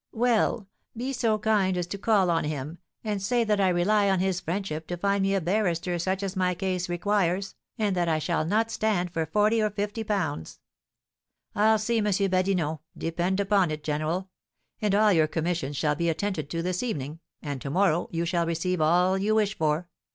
"Well, be so kind as to call on him, and say that I rely on his friendship to find me a barrister such as my case requires, and that I shall not stand for forty or fifty pounds." "I'll see M. Badinot, depend upon it, general; and all your commissions shall be attended to this evening, and to morrow you shall receive all you wish for.